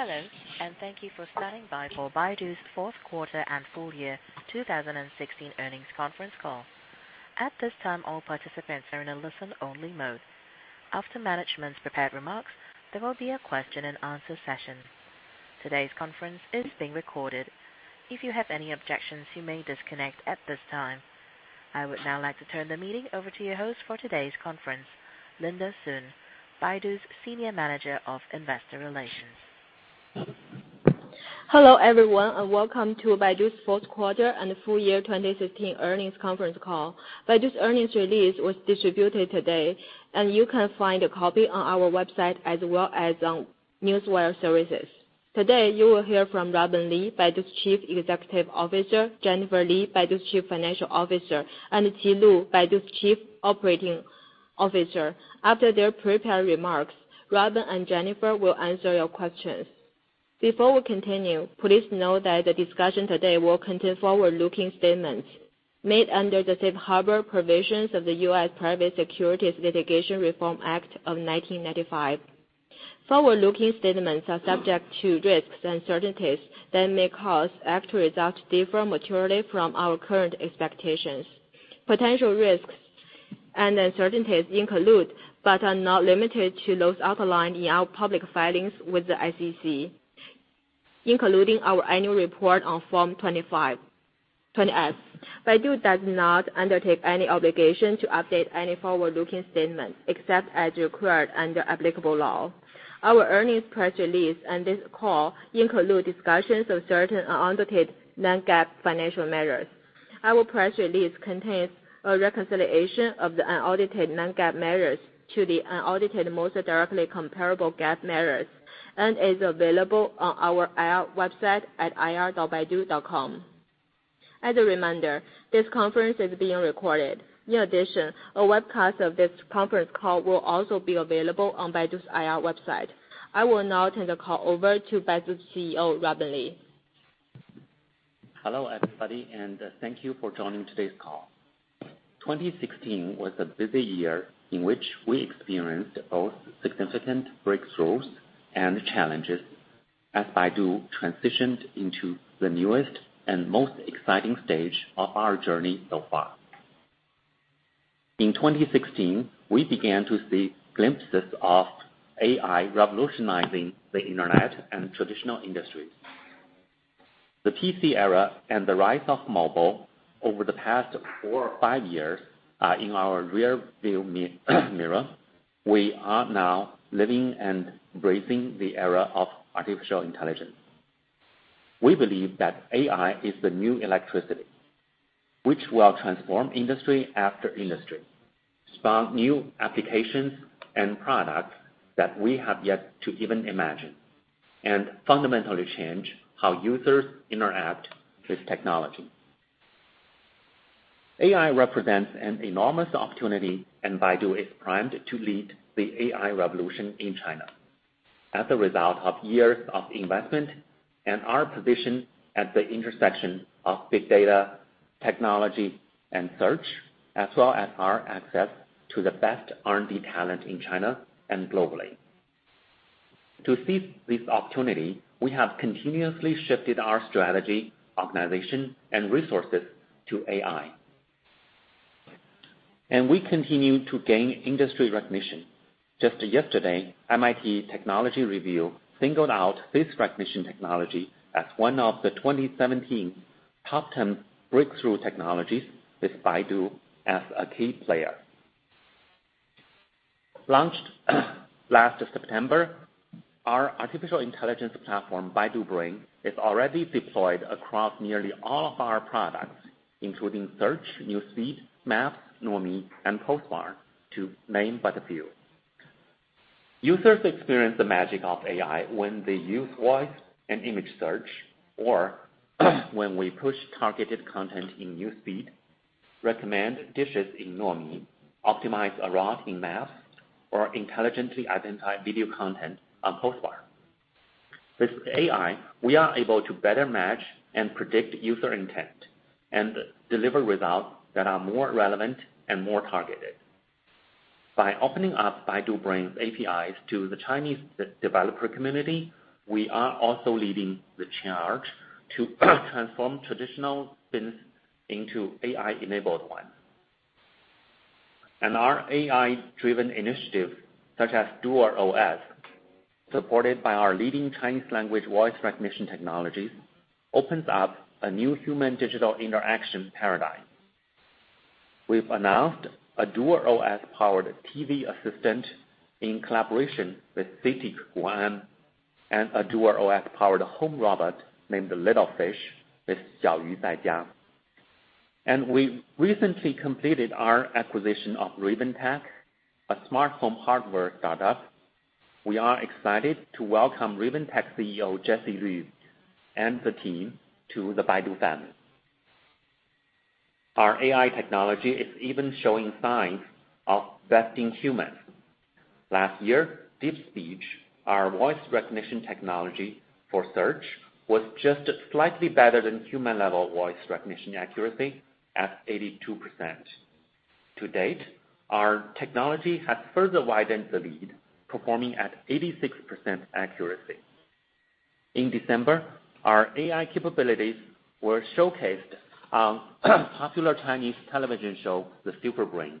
Hello, thank you for standing by for Baidu's fourth quarter and full year 2016 earnings conference call. At this time, all participants are in a listen-only mode. After management's prepared remarks, there will be a question and answer session. Today's conference is being recorded. If you have any objections, you may disconnect at this time. I would now like to turn the meeting over to your host for today's conference, Linda Sun, Baidu's Senior Manager of Investor Relations. Hello everyone, welcome to Baidu's fourth quarter and full year 2016 earnings conference call. Baidu's earnings release was distributed today, and you can find a copy on our website as well as on Newswire services. Today, you will hear from Robin Li, Baidu's Chief Executive Officer; Jennifer Li, Baidu's Chief Financial Officer; and Qi Lu, Baidu's Chief Operating Officer. After their prepared remarks, Robin and Jennifer will answer your questions. Before we continue, please know that the discussion today will contain forward-looking statements made under the Safe Harbor Provisions of the U.S. Private Securities Litigation Reform Act of 1995. Forward-looking statements are subject to risks and uncertainties that may cause actual results to differ materially from our current expectations. Potential risks and uncertainties include, but are not limited to, those outlined in our public filings with the SEC, including our annual report on Form 20-F. Baidu does not undertake any obligation to update any forward-looking statements, except as required under applicable law. Our earnings press release and this call include discussions of certain audited non-GAAP financial measures. Our press release contains a reconciliation of the audited non-GAAP measures to the audited most directly comparable GAAP measures and is available on our IR website at ir.baidu.com. As a reminder, this conference is being recorded. In addition, a webcast of this conference call will also be available on Baidu's IR website. I will now turn the call over to Baidu's CEO, Robin Li. Hello, everybody, thank you for joining today's call. 2016 was a busy year in which we experienced both significant breakthroughs and challenges as Baidu transitioned into the newest and most exciting stage of our journey so far. In 2016, we began to see glimpses of AI revolutionizing the internet and traditional industries. The PC era and the rise of mobile over the past four or five years are in our rear-view mirror. We are now living and embracing the era of artificial intelligence. We believe that AI is the new electricity, which will transform industry after industry, spark new applications and products that we have yet to even imagine, and fundamentally change how users interact with technology. AI represents an enormous opportunity. Baidu is primed to lead the AI revolution in China as a result of years of investment and our position at the intersection of big data, technology, and search, as well as our access to the best R&D talent in China and globally. To seize this opportunity, we have continuously shifted our strategy, organization, and resources to AI. We continue to gain industry recognition. Just yesterday, MIT Technology Review singled out face recognition technology as one of the 2017 top 10 breakthrough technologies, with Baidu as a key player. Launched last September, our artificial intelligence platform, Baidu Brain, is already deployed across nearly all of our products, including Search, News Feed, Maps, Nuomi, and Baidu Tieba, to name but a few. Users experience the magic of AI when they use voice and image search, or when we push targeted content in News Feed, recommend dishes in Nuomi, optimize a route in Maps, or intelligently identify video content on Baidu Tieba. With AI, we are able to better match and predict user intent and deliver results that are more relevant and more targeted. By opening up Baidu Brain's APIs to the Chinese developer community, we are also leading the charge to transform traditional business into AI-enabled ones. Our AI-driven initiatives, such as DuerOS, supported by our leading Chinese language voice recognition technologies, opens up a new human-digital interaction paradigm. We've announced a DuerOS-powered TV assistant in collaboration with CITIC Guoan, and a DuerOS-powered home robot named the Little Fish with Xiao Yu Zai Jia. We recently completed our acquisition of Raven Tech, a smart home hardware startup. We are excited to welcome Raven Tech CEO, Jesse Lyu, and the team to the Baidu family. Our AI technology is even showing signs of besting humans. Last year, DeepSpeech, our voice recognition technology for search, was just slightly better than human-level voice recognition accuracy at 82%. To date, our technology has further widened the lead, performing at 86% accuracy. In December, our AI capabilities were showcased on popular Chinese television show, "The Brain,"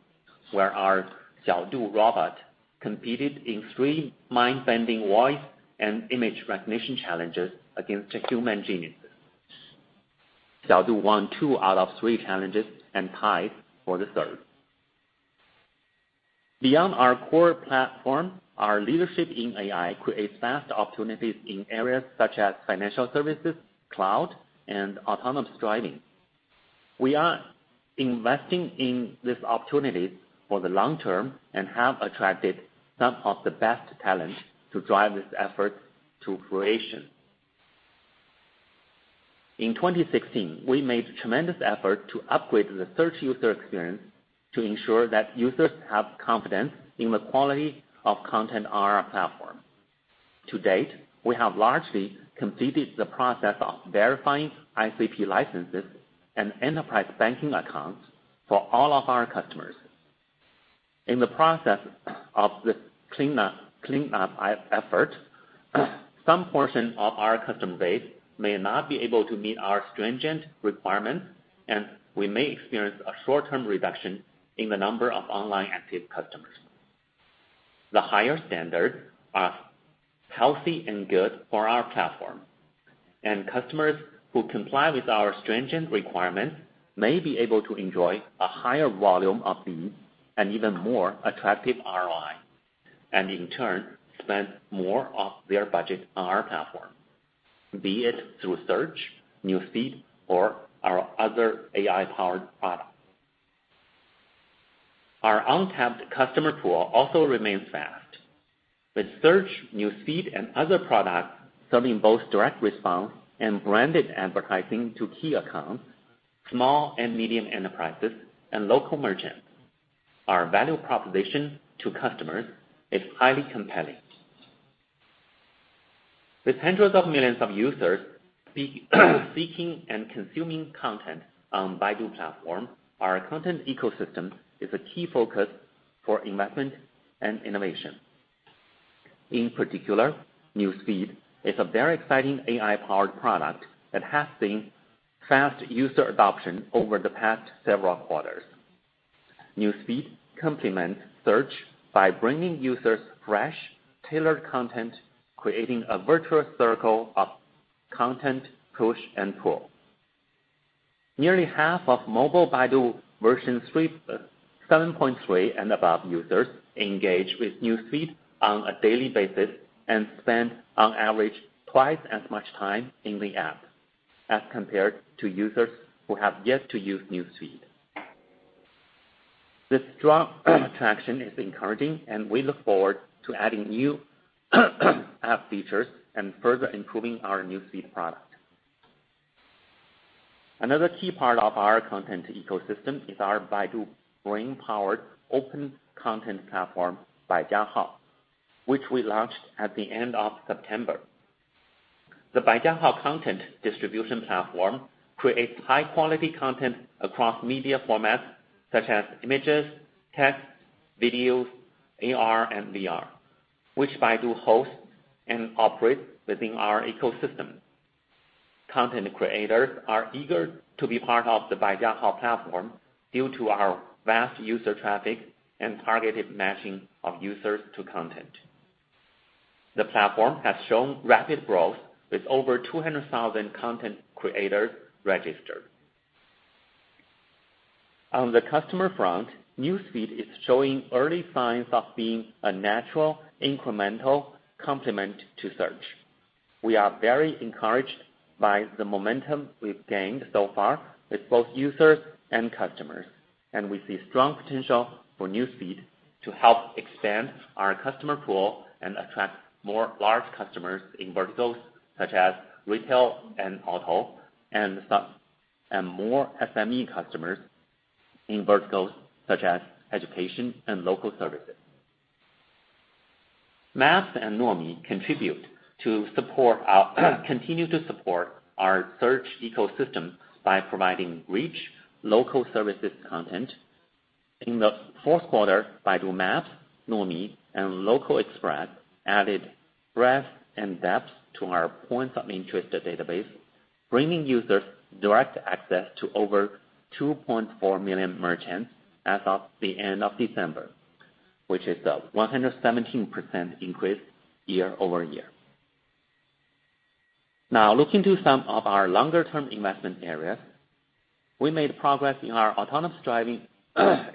where our Xiaodu robot competed in three mind-bending voice and image recognition challenges against the human geniuses. Xiaodu won two out of three challenges and tied for the third. Beyond our core platform, our leadership in AI creates vast opportunities in areas such as financial services, cloud, and autonomous driving. We are investing in these opportunities for the long term and have attracted some of the best talent to drive this effort to fruition. In 2016, we made tremendous effort to upgrade the search user experience to ensure that users have confidence in the quality of content on our platform. To date, we have largely completed the process of verifying ICP licenses and enterprise banking accounts for all of our customers. In the process of this cleanup effort, some portion of our customer base may not be able to meet our stringent requirements. We may experience a short-term reduction in the number of online active customers. The higher standards are healthy and good for our platform. Customers who comply with our stringent requirements may be able to enjoy a higher volume of leads and even more attractive ROI. In turn, spend more of their budget on our platform, be it through search, News Feed, or our other AI-powered products. Our untapped customer pool also remains vast. With Search, News Feed, and other products serving both direct response and branded advertising to key accounts, small and medium enterprises, and local merchants, our value proposition to customers is highly compelling. With hundreds of millions of users seeking and consuming content on Baidu platform, our content ecosystem is a key focus for investment and innovation. In particular, News Feed is a very exciting AI-powered product that has seen fast user adoption over the past several quarters. News Feed complements Search by bringing users fresh, tailored content, creating a virtuous circle of content push and pull. Nearly half of mobile Baidu version 7.3 and above users engage with News Feed on a daily basis and spend on average twice as much time in the app as compared to users who have yet to use News Feed. This strong attraction is encouraging. We look forward to adding new app features and further improving our News Feed product. Another key part of our content ecosystem is our Baidu Brain-powered open content platform, Baijiahao, which we launched at the end of September. The Baijiahao content distribution platform creates high-quality content across media formats such as images, text, videos, AR, and VR, which Baidu hosts and operates within our ecosystem. Content creators are eager to be part of the Baijiahao platform due to our vast user traffic and targeted matching of users to content. The platform has shown rapid growth with over 200,000 content creators registered. On the customer front, News Feed is showing early signs of being a natural incremental complement to Search. We are very encouraged by the momentum we've gained so far with both users and customers. We see strong potential for News Feed to help expand our customer pool and attract more large customers in verticals such as retail and auto, and more SME customers in verticals such as education and local services. Maps and Nuomi continue to support our Search ecosystem by providing rich local services content. In the fourth quarter, Baidu Maps, Nuomi, and Local Express added breadth and depth to our points-of-interest database, bringing users direct access to over 2.4 million merchants as of the end of December, which is a 117% increase year-over-year. Looking to some of our longer-term investment areas, we made progress in our autonomous driving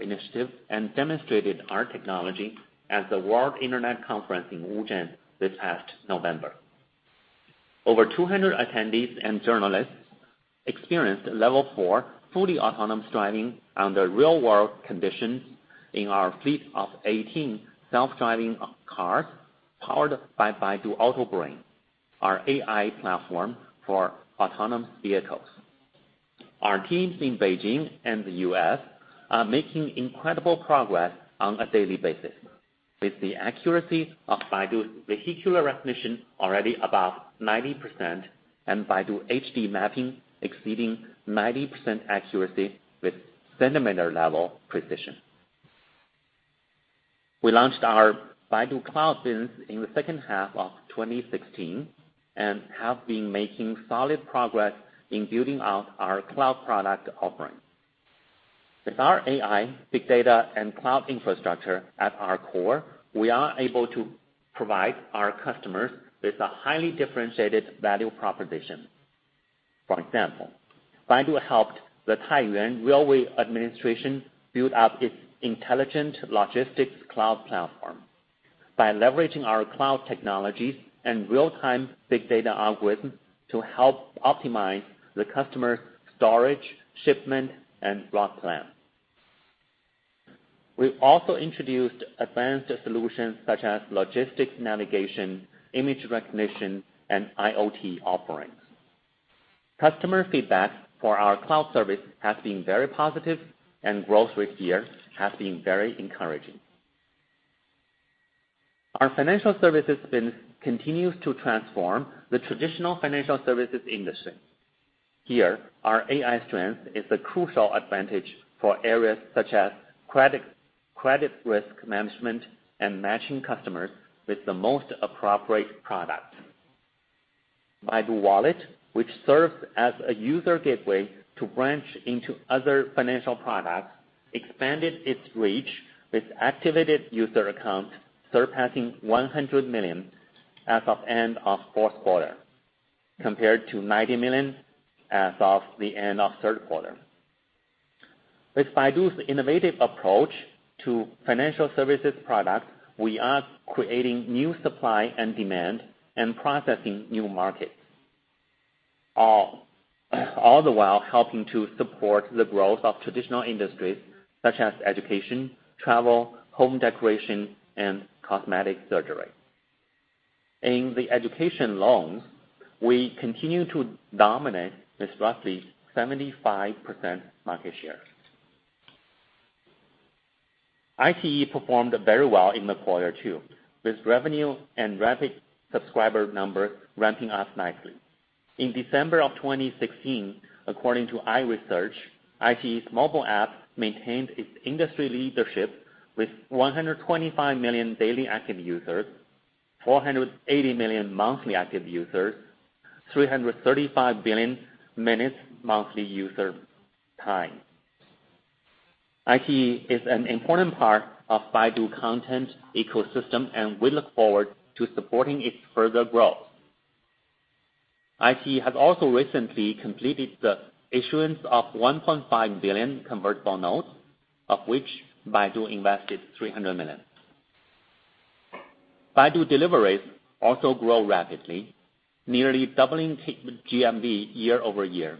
initiative and demonstrated our technology at the World Internet Conference in Wuzhen this past November. Over 200 attendees and journalists experienced level 4 fully autonomous driving under real-world conditions in our fleet of 18 self-driving cars powered by Baidu AutoBrain, our AI platform for autonomous vehicles. Our teams in Beijing and the U.S. are making incredible progress on a daily basis. With the accuracy of Baidu's vehicular recognition already above 90%, and Baidu HD mapping exceeding 90% accuracy with centimeter-level precision. We launched our Baidu Cloud business in the second half of 2016 and have been making solid progress in building out our cloud product offering. With our AI, big data, and cloud infrastructure at our core, we are able to provide our customers with a highly differentiated value proposition. For example, Baidu helped the Taiyuan Railway Administration build up its intelligent logistics cloud platform by leveraging our cloud technologies and real-time big data algorithms to help optimize the customer storage, shipment, and route plan. We've also introduced advanced solutions such as logistics navigation, image recognition, and IoT offerings. Customer feedback for our cloud service has been very positive, and growth this year has been very encouraging. Our financial services business continues to transform the traditional financial services industry. Here, our AI strength is a crucial advantage for areas such as credit risk management and matching customers with the most appropriate product. Baidu Wallet, which serves as a user gateway to branch into other financial products, expanded its reach with activated user accounts surpassing 100 million as of end of fourth quarter, compared to 90 million as of the end of third quarter. With Baidu's innovative approach to financial services products, we are creating new supply and demand and processing new markets, all the while helping to support the growth of traditional industries such as education, travel, home decoration, and cosmetic surgery. In the education loans, we continue to dominate with roughly 75% market share. iQIYI performed very well in the quarter too, with revenue and rapid subscriber numbers ramping up nicely. In December of 2016, according to iResearch, iQIYI mobile app maintained its industry leadership with 125 million daily active users, 480 million monthly active users, 335 billion minutes monthly user time. iQIYI is an important part of Baidu content ecosystem, and we look forward to supporting its further growth. iQIYI has also recently completed the issuance of 1.5 billion convertible notes, of which Baidu invested $300 million. Baidu deliveries also grow rapidly, nearly doubling GMV year-over-year.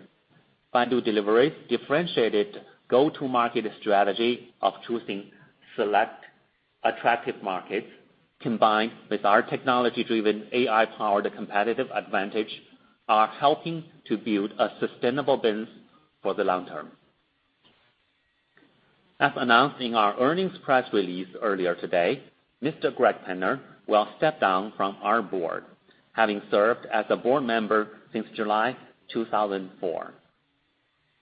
Baidu deliveries differentiated go-to-market strategy of choosing select attractive markets, combined with our technology driven AI powered competitive advantage, are helping to build a sustainable business for the long term. As announcing our earnings press release earlier today, Mr. Greg Penner will step down from our board, having served as a board member since July 2004.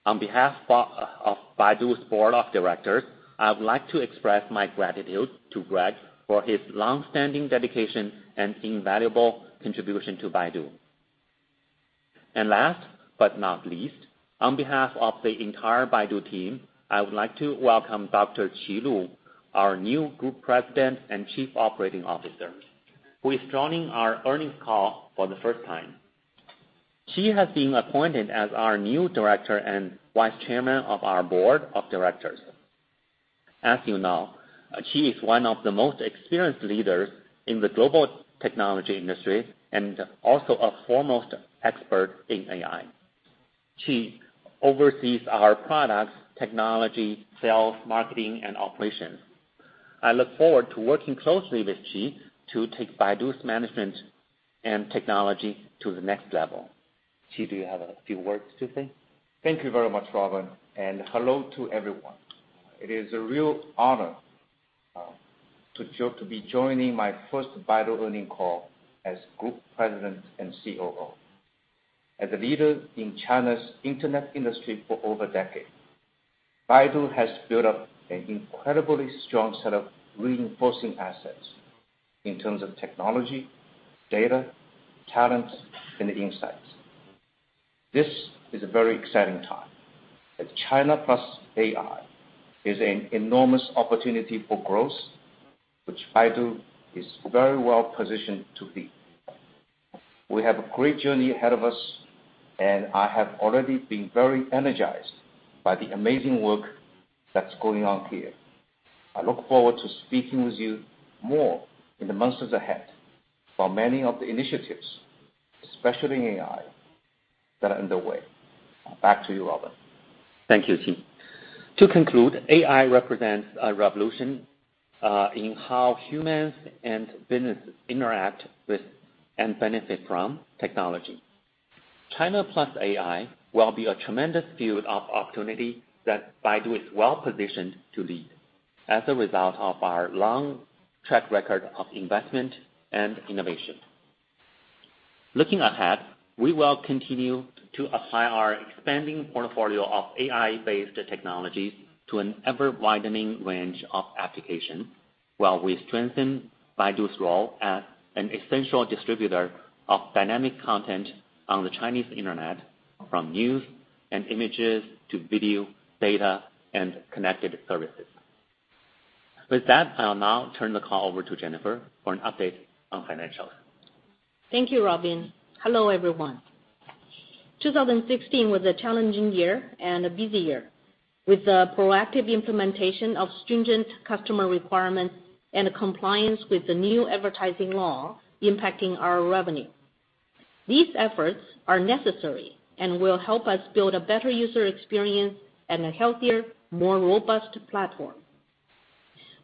On behalf of Baidu's board of directors, I would like to express my gratitude to Greg for his long-standing dedication and invaluable contribution to Baidu. Last but not least, on behalf of the entire Baidu team, I would like to welcome Dr. Qi Lu, our new Group President and Chief Operating Officer, who is joining our earnings call for the first time. Qi has been appointed as our new director and vice chairman of our board of directors. As you know, Qi is one of the most experienced leaders in the global technology industry and also a foremost expert in AI. Qi oversees our products, technology, sales, marketing, and operations. I look forward to working closely with Qi to take Baidu's management and technology to the next level. Qi, do you have a few words to say? Thank you very much, Robin, and hello to everyone. It is a real honor to be joining my first Baidu earnings call as Group President and COO. As a leader in China's Internet industry for over a decade, Baidu has built up an incredibly strong set of reinforcing assets in terms of technology, data, talent, and insights. This is a very exciting time, as China plus AI is an enormous opportunity for growth, which Baidu is very well positioned to lead. We have a great journey ahead of us, and I have already been very energized by the amazing work that's going on here. I look forward to speaking with you more in the months ahead for many of the initiatives, especially in AI, that are underway. Back to you, Robin. Thank you, Qi. To conclude, AI represents a revolution in how humans and businesses interact with and benefit from technology. China plus AI will be a tremendous field of opportunity that Baidu is well-positioned to lead as a result of our long track record of investment and innovation. Looking ahead, we will continue to apply our expanding portfolio of AI-based technologies to an ever-widening range of applications, while we strengthen Baidu's role as an essential distributor of dynamic content on the Chinese Internet, from news and images to video, data, and connected services. With that, I'll now turn the call over to Jennifer for an update on financials. Thank you, Robin. Hello, everyone. 2016 was a challenging year and a busy year, with the proactive implementation of stringent customer requirements and compliance with the new advertising law impacting our revenue. These efforts are necessary and will help us build a better user experience and a healthier, more robust platform.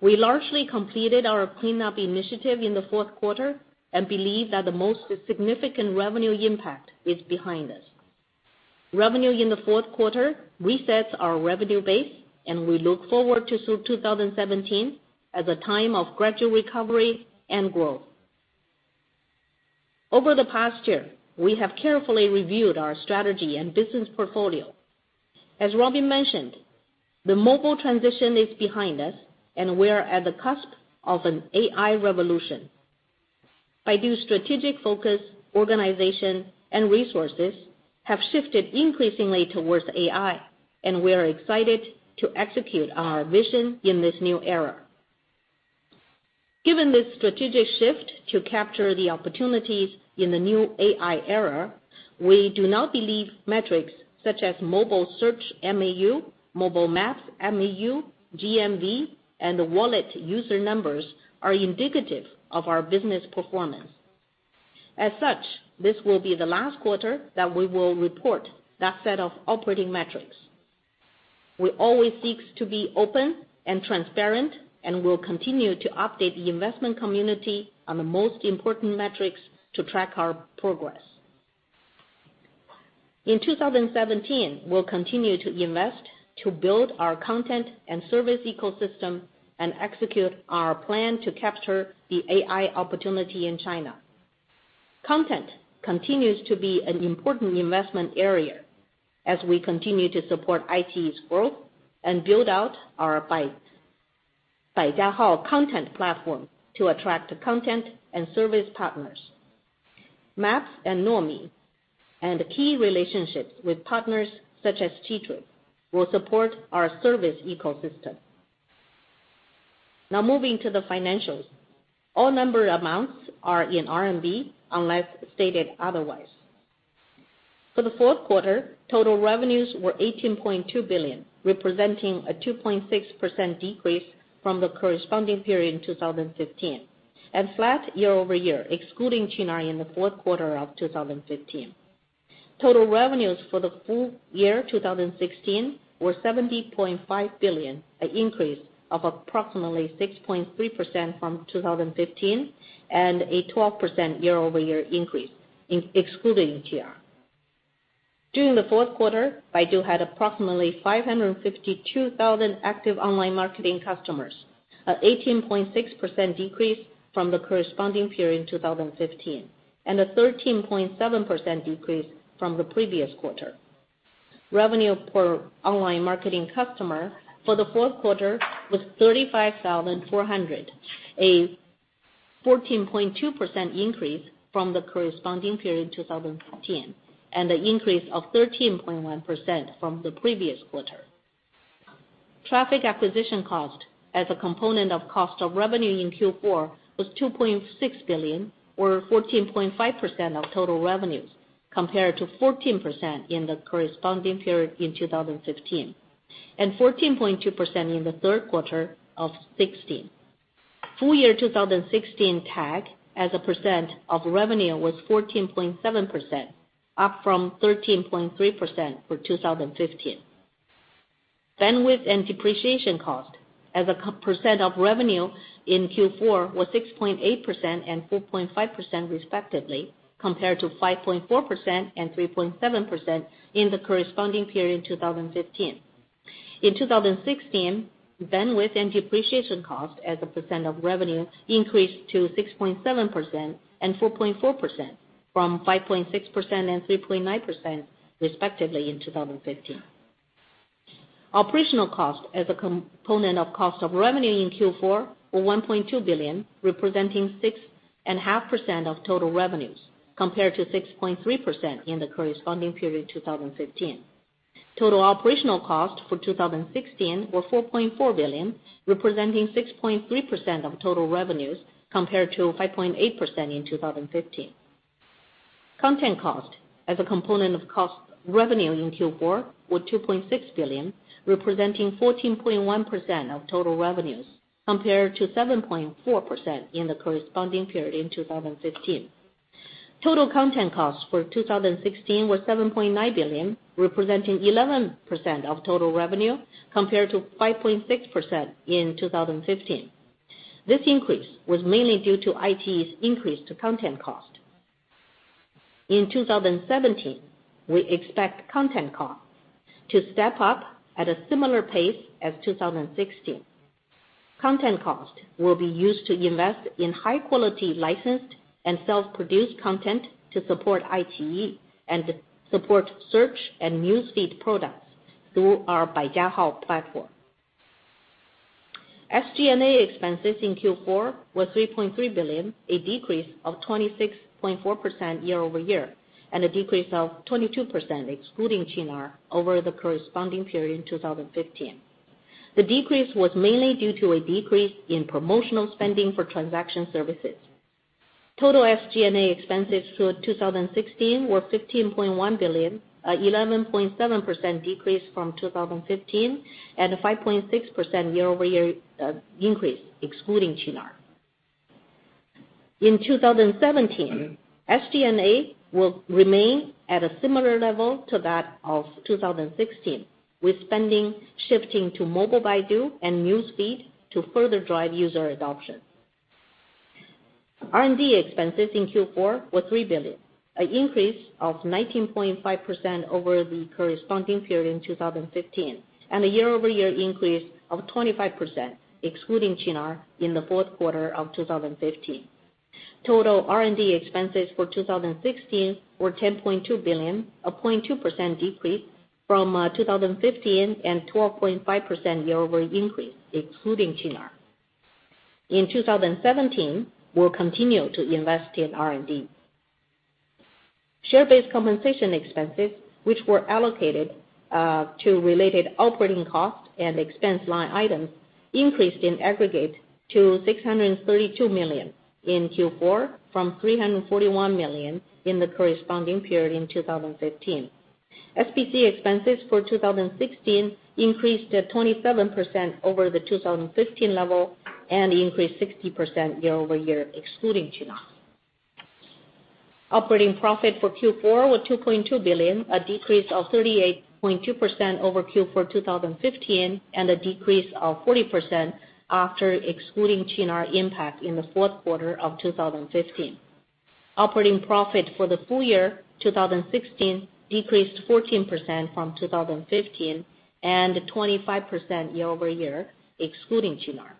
We largely completed our cleanup initiative in the fourth quarter and believe that the most significant revenue impact is behind us. Revenue in the fourth quarter resets our revenue base, and we look forward to 2017 as a time of gradual recovery and growth. Over the past year, we have carefully reviewed our strategy and business portfolio. As Robin mentioned, the mobile transition is behind us, and we are at the cusp of an AI revolution. Baidu's strategic focus, organization, and resources have shifted increasingly towards AI, and we are excited to execute our vision in this new era. Given this strategic shift to capture the opportunities in the new AI era, we do not believe metrics such as mobile search MAU, mobile Maps MAU, GMV, and wallet user numbers are indicative of our business performance. As such, this will be the last quarter that we will report that set of operating metrics. We always seek to be open and transparent and will continue to update the investment community on the most important metrics to track our progress. In 2017, we'll continue to invest to build our content and service ecosystem and execute our plan to capture the AI opportunity in China. Content continues to be an important investment area as we continue to support iQIYI's growth and build out our Baijiahao content platform to attract content and service partners. Maps and Nuomi and key relationships with partners such as Ctrip will support our service ecosystem. Now moving to the financials. All number amounts are in RMB unless stated otherwise. For the fourth quarter, total revenues were 18.2 billion, representing a 2.6% decrease from the corresponding period in 2015, and flat year-over-year, excluding Qunar in the fourth quarter of 2015. Total revenues for the full year 2016 were 70.5 billion, an increase of approximately 6.3% from 2015 and a 12% year-over-year increase excluding Qunar. During the fourth quarter, Baidu had approximately 552,000 active online marketing customers, an 18.6% decrease from the corresponding period in 2015, and a 13.7% decrease from the previous quarter. Revenue per online marketing customer for the fourth quarter was 35,400, a 14.2% increase from the corresponding period in 2015 and an increase of 13.1% from the previous quarter. Traffic acquisition cost as a component of cost of revenue in Q4 was 2.6 billion, or 14.5% of total revenues, compared to 14% in the corresponding period in 2015 and 14.2% in the third quarter of 2016. Full year 2016 TAC as a percent of revenue was 14.7%, up from 13.3% for 2015. Bandwidth and depreciation cost as a percent of revenue in Q4 was 6.8% and 4.5% respectively, compared to 5.4% and 3.7% in the corresponding period in 2015. In 2016, bandwidth and depreciation cost as a percent of revenue increased to 6.7% and 4.4%, from 5.6% and 3.9%, respectively in 2015. Operational cost as a component of cost of revenue in Q4 were 1.2 billion, representing 6.5% of total revenues, compared to 6.3% in the corresponding period 2015. Total operational costs for 2016 were 4.4 billion, representing 6.3% of total revenues, compared to 5.8% in 2015. Content cost as a component of cost revenue in Q4 were 2.6 billion, representing 14.1% of total revenues, compared to 7.4% in the corresponding period in 2015. Total content costs for 2016 were 7.9 billion, representing 11% of total revenue, compared to 5.6% in 2015. This increase was mainly due to iQIYI's increase to content cost. In 2017, we expect content cost to step up at a similar pace as 2016. Content cost will be used to invest in high-quality licensed and self-produced content to support iQIYI and support search and News Feed products through our Baijiahao platform. SG&A expenses in Q4 were 3.3 billion, a decrease of 26.4% year-over-year, and a decrease of 22%, excluding Qunar, over the corresponding period in 2015. The decrease was mainly due to a decrease in promotional spending for transaction services. Total SG&A expenses for 2016 were 15.1 billion, a 11.7% decrease from 2015, and a 5.6% year-over-year increase, excluding Qunar. In 2017, SG&A will remain at a similar level to that of 2016, with spending shifting to Baidu App and News Feed to further drive user adoption. R&D expenses in Q4 were 3 billion, an increase of 19.5% over the corresponding period in 2015, and a year-over-year increase of 25%, excluding Qunar, in the fourth quarter of 2015. Total R&D expenses for 2016 were 10.2 billion, a 0.2% decrease from 2015, and 12.5% year-over-year increase, excluding Qunar. In 2017, we'll continue to invest in R&D. Share-based compensation expenses, which were allocated to related operating costs and expense line items, increased in aggregate to 632 million in Q4 from 341 million in the corresponding period in 2015. SBC expenses for 2016 increased at 27% over the 2015 level and increased 60% year-over-year, excluding Qunar. Operating profit for Q4 was 2.2 billion, a decrease of 38.2% over Q4 2015, and a decrease of 40% after excluding Qunar impact in the fourth quarter of 2015. Operating profit for the full year 2016 decreased 14% from 2015, and 25% year-over-year, excluding Qunar.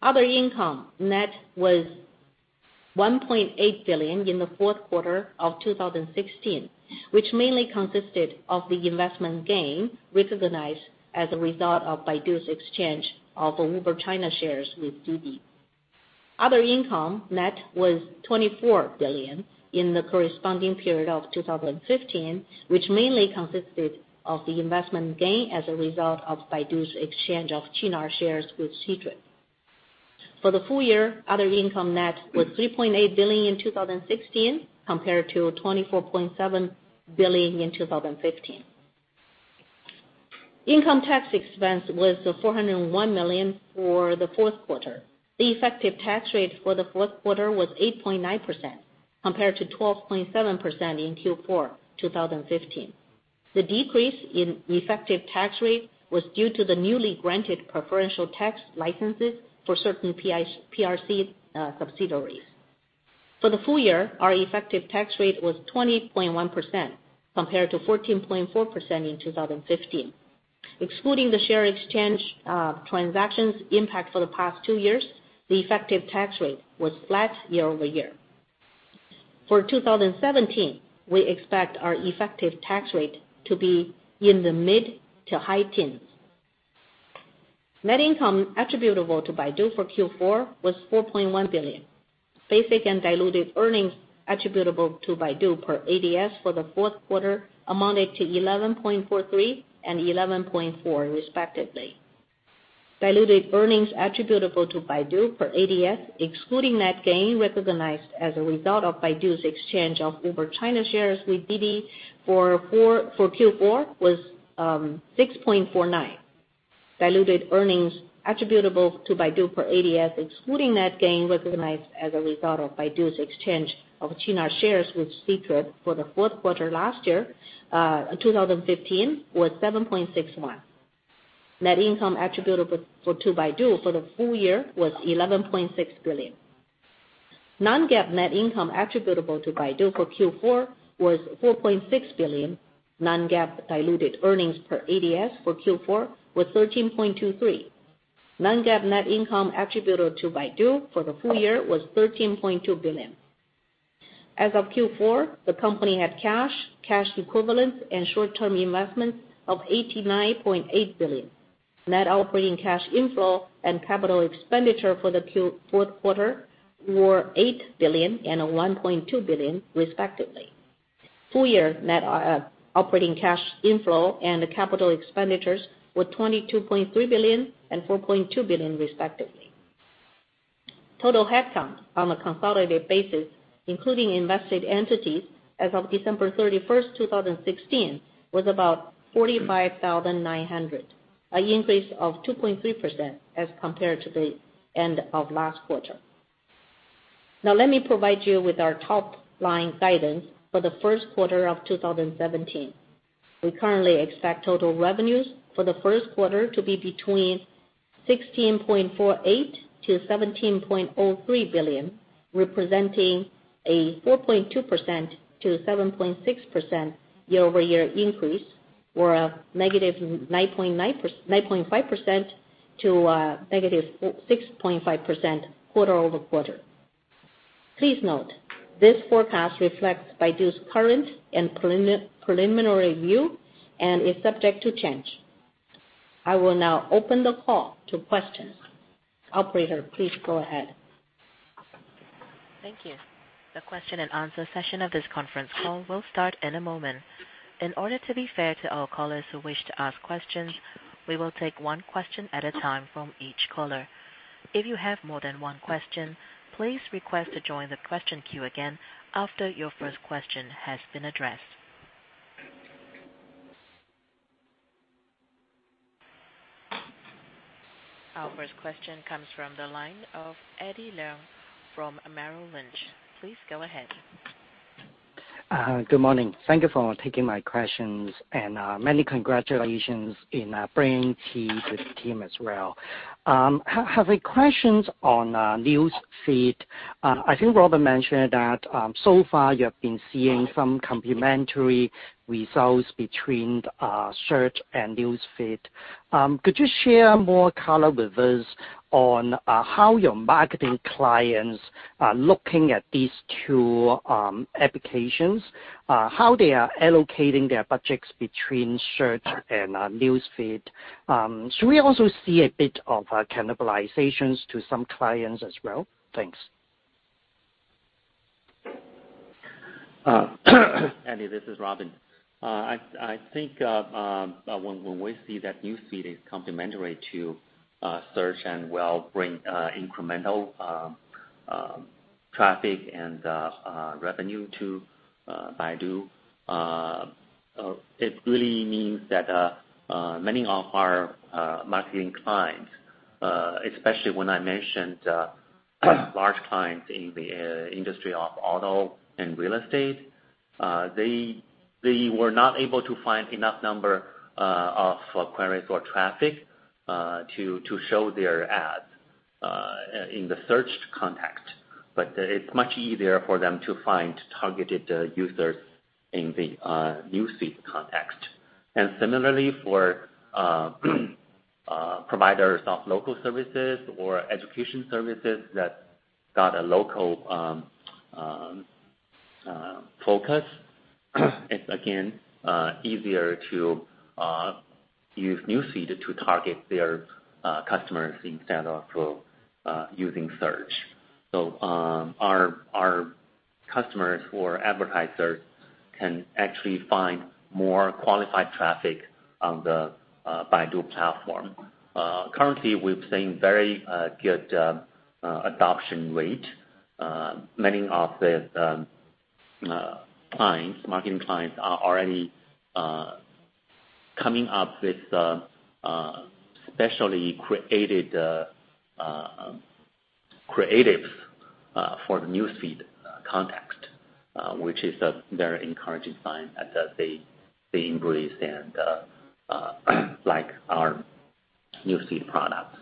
Other income net was 1.8 billion in the fourth quarter of 2016, which mainly consisted of the investment gain recognized as a result of Baidu's exchange of Uber China shares with Didi. Other income net was 24 billion in the corresponding period of 2015, which mainly consisted of the investment gain as a result of Baidu's exchange of Qunar shares with Ctrip. For the full year, other income net was 3.8 billion in 2016 compared to 24.7 billion in 2015. Income tax expense was 401 million for the fourth quarter. The effective tax rate for the fourth quarter was 8.9% compared to 12.7% in Q4 2015. The decrease in effective tax rate was due to the newly granted preferential tax licenses for certain PRC subsidiaries. For the full year, our effective tax rate was 20.1% compared to 14.4% in 2015. Excluding the share exchange transactions impact for the past two years, the effective tax rate was flat year-over-year. For 2017, we expect our effective tax rate to be in the mid to high teens. Net income attributable to Baidu for Q4 was 4.1 billion. Basic and diluted earnings attributable to Baidu per ADS for the fourth quarter amounted to 11.43 and 11.4 respectively. Diluted earnings attributable to Baidu per ADS, excluding net gain recognized as a result of Baidu's exchange of Uber China shares with Didi for Q4, was 6.49. Diluted earnings attributable to Baidu per ADS, excluding net gain recognized as a result of Baidu's exchange of Qunar shares with Ctrip for the fourth quarter last year, 2015, was 7.61. Net income attributable to Baidu for the full year was 11.6 billion. Non-GAAP net income attributable to Baidu for Q4 was 4.6 billion. Non-GAAP diluted earnings per ADS for Q4 was 13.23. Non-GAAP net income attributable to Baidu for the full year was 13.2 billion. As of Q4, the company had cash equivalents, and short-term investments of 89.8 billion. Net operating cash inflow and capital expenditure for the fourth quarter were 8 billion and 1.2 billion respectively. Full year net operating cash inflow and capital expenditures were 22.3 billion and 4.2 billion respectively. Total headcount on a consolidated basis, including invested entities as of December 31st, 2016, was about 45,900, an increase of 2.3% as compared to the end of last quarter. Now let me provide you with our top-line guidance for the first quarter of 2017. We currently expect total revenues for the first quarter to be between 16.48 billion to 17.03 billion, representing a 4.2%-7.6% year-over-year increase or a -9.5% to -6.5% quarter-over-quarter. Please note, this forecast reflects Baidu's current and preliminary view and is subject to change. I will now open the call to questions. Operator, please go ahead. Thank you. The question and answer session of this conference call will start in a moment. In order to be fair to all callers who wish to ask questions, we will take one question at a time from each caller. If you have more than one question, please request to join the question queue again after your first question has been addressed. Our first question comes from the line of Eddie Leung from Merrill Lynch. Please go ahead. Good morning. Thank you for taking my questions, and many congratulations in bringing Qi to the team as well. I have a questions on News Feed. I think Robin mentioned that so far you have been seeing some complementary results between Search and News Feed. Could you share more color with us on how your marketing clients are looking at these two applications, how they are allocating their budgets between Search and News Feed? Should we also see a bit of cannibalizations to some clients as well? Thanks. Eddie, this is Robin. I think when we see that News Feed is complementary to Search and will bring incremental traffic and revenue to Baidu, it really means that many of our marketing clients, especially when I mentioned large clients in the industry of auto and real estate, they were not able to find enough number of queries or traffic to show their ads in the Search context. It's much easier for them to find targeted users in the News Feed context. Similarly for providers of local services or education services that got a local focus, it's again easier to use News Feed to target their customers instead of using Search. Our customers or advertisers can actually find more qualified traffic on the Baidu platform. Currently, we're seeing very good adoption rate. Many of the marketing clients are already coming up with specially created creatives for the News Feed context, which is a very encouraging sign that they embrace and like our News Feed product.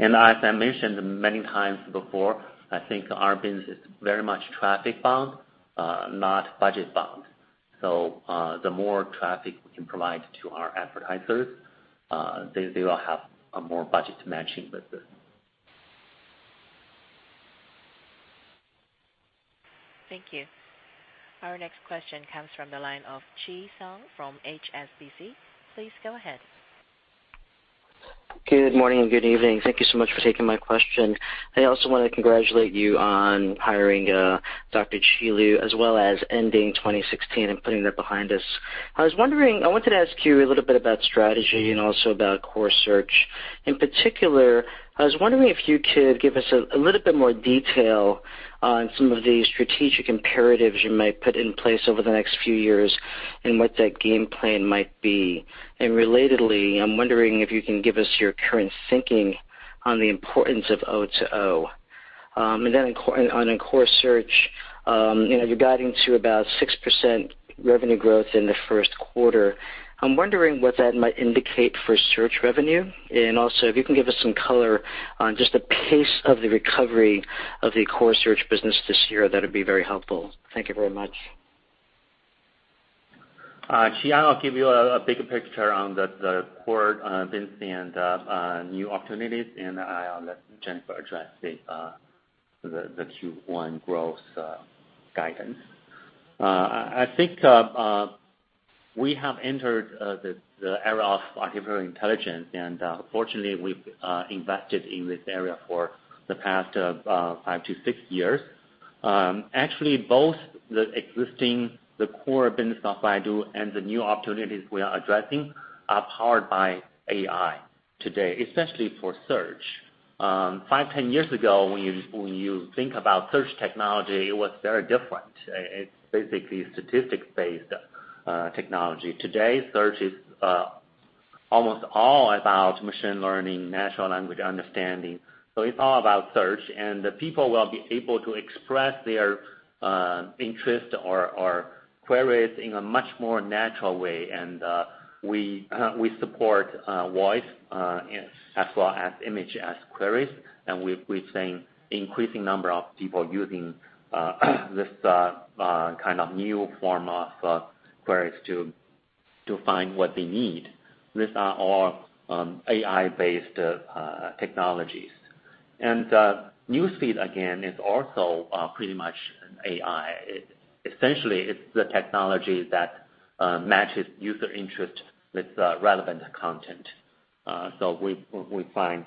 As I mentioned many times before, I think our business is very much traffic bound, not budget bound. The more traffic we can provide to our advertisers, they will have a more budget matching with it. Thank you. Our next question comes from the line of Chi Tsang from HSBC. Please go ahead. Good morning and good evening. Thank you so much for taking my question. I also want to congratulate you on hiring Dr. Qi Lu, as well as ending 2016 and putting that behind us. I wanted to ask you a little bit about strategy and also about core search. In particular, I was wondering if you could give us a little bit more detail on some of the strategic imperatives you might put in place over the next few years and what that game plan might be. Relatedly, I'm wondering if you can give us your current thinking on the importance of O2O. On core search, you're guiding to about 6% revenue growth in the first quarter. I'm wondering what that might indicate for search revenue, if you can give us some color on just the pace of the recovery of the core search business this year, that'd be very helpful. Thank you very much. Qi, I'll give you a bigger picture on the core business and new opportunities. I'll let Jennifer address the Q1 growth guidance. I think we have entered the era of artificial intelligence, fortunately, we've invested in this area for the past five to six years. Actually, both the existing core business of Baidu and the new opportunities we are addressing are powered by AI today, especially for Search. Five, ten years ago, when you think about search technology, it was very different. It's basically statistics-based technology. Today, search is Almost all about machine learning, natural language understanding. It's all about search, people will be able to express their interest or queries in a much more natural way. We support voice as well as image as queries. We've seen increasing number of people using this kind of new form of queries to find what they need. These are all AI-based technologies. News Feed, again, is also pretty much an AI. Essentially, it's the technology that matches user interest with relevant content. We find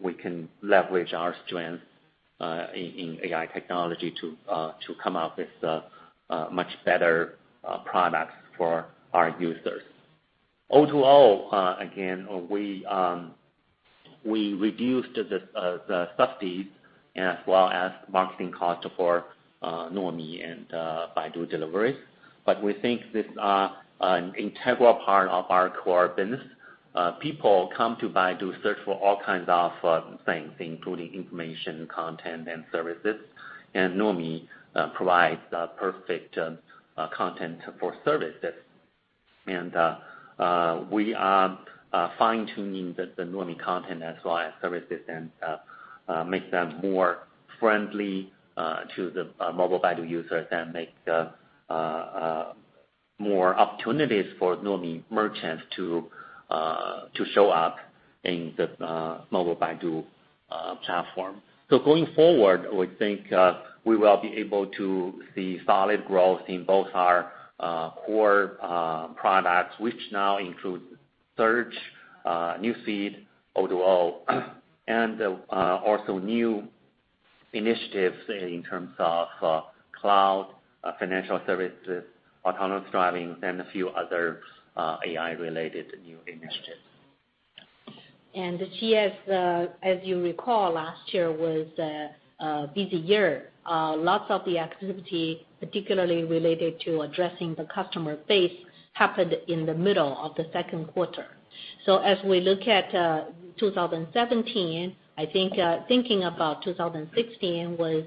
we can leverage our strength in AI technology to come up with much better products for our users. O2O, again, we reduced the subsidies as well as marketing cost for Nuomi and Baidu deliveries. We think this an integral part of our core business. People come to Baidu, search for all kinds of things, including information, content, and services, and Nuomi provides perfect content for services. We are fine-tuning the Nuomi content as well as services and make them more friendly to the Mobile Baidu users and make more opportunities for Nuomi merchants to show up in the Mobile Baidu platform. Going forward, we think we will be able to see solid growth in both our core products, which now include Search, News Feed, O2O, and also new initiatives in terms of cloud, financial services, autonomous driving, and a few other AI-related new initiatives. This year, as you recall, last year was a busy year. Lots of the activity, particularly related to addressing the customer base, happened in the middle of the second quarter. As we look at 2017, I think thinking about 2016 was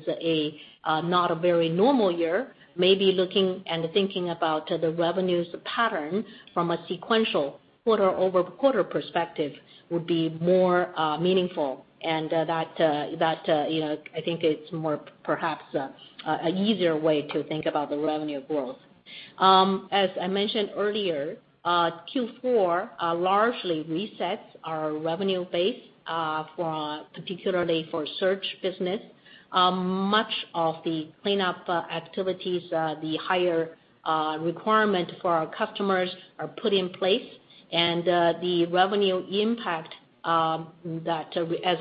not a very normal year. Maybe looking and thinking about the revenues pattern from a sequential quarter-over-quarter perspective would be more meaningful. That I think it's perhaps an easier way to think about the revenue growth. As I mentioned earlier, Q4 largely resets our revenue base, particularly for Search business. Much of the cleanup activities, the higher requirement for our customers are put in place. The revenue impact as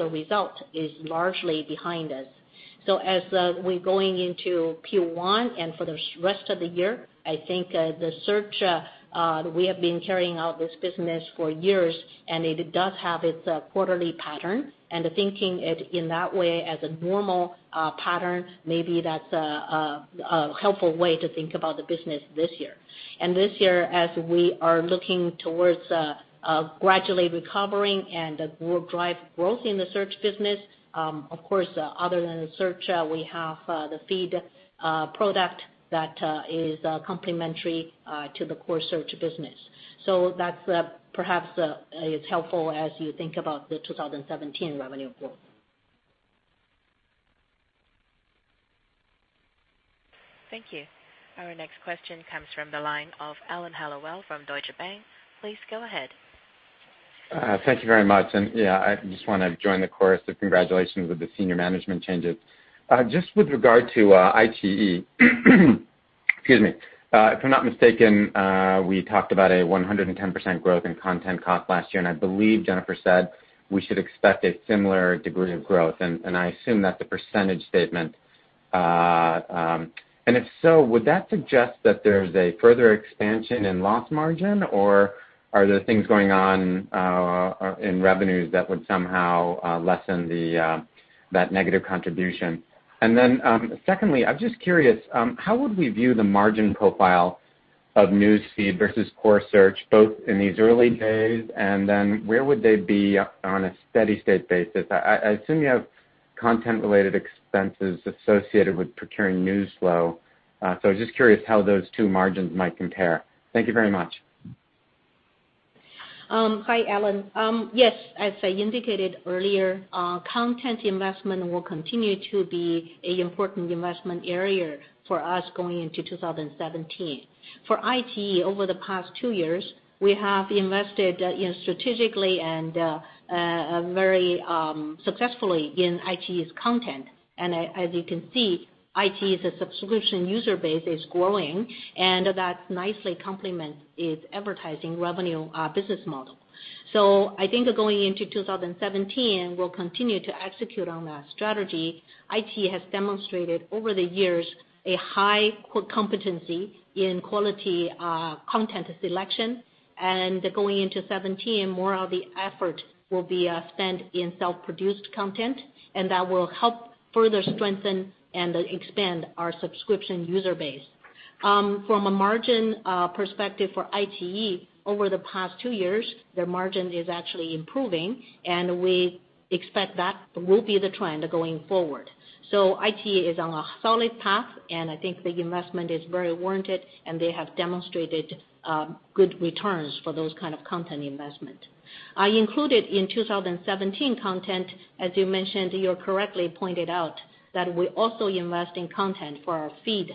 a result is largely behind us. As we're going into Q1 and for the rest of the year, I think the Search, we have been carrying out this business for years, and it does have its quarterly pattern. Thinking it in that way as a normal pattern, maybe that's a helpful way to think about the business this year. This year, as we are looking towards gradually recovering and will drive growth in the Search business. Of course, other than Search, we have the Feed product that is complementary to the core Search business. That perhaps is helpful as you think about the 2017 revenue growth. Thank you. Our next question comes from the line of Alan Hellawell from Deutsche Bank. Please go ahead. Thank you very much. Yeah, I just want to join the chorus of congratulations with the senior management changes. Just with regard to iQIYI, excuse me, if I'm not mistaken, we talked about a 110% growth in content cost last year, and I believe Jennifer said we should expect a similar degree of growth, and I assume that's a percentage statement. If so, would that suggest that there's a further expansion in loss margin, or are there things going on in revenues that would somehow lessen that negative contribution? Secondly, I'm just curious, how would we view the margin profile of News Feed versus core Search, both in these early days? Then where would they be on a steady state basis? I assume you have content-related expenses associated with procuring news flow. I was just curious how those two margins might compare. Thank you very much. Hi, Alan. Yes, as I indicated earlier, content investment will continue to be an important investment area for us going into 2017. For iQIYI, over the past two years, we have invested strategically and very successfully in iQIYI's content. As you can see, iQIYI's subscription user base is growing, that nicely complements its advertising revenue business model. I think going into 2017, we'll continue to execute on that strategy. iQIYI has demonstrated over the years a high competency in quality content selection. Going into 2017, more of the effort will be spent in self-produced content, that will help further strengthen and expand our subscription user base. From a margin perspective for iQIYI, over the past two years, their margin is actually improving, we expect that will be the trend going forward. iQIYI is on a solid path, I think the investment is very warranted, they have demonstrated good returns for those kind of content investment. I included in 2017 content, as you mentioned, you correctly pointed out, that we also invest in content for our feed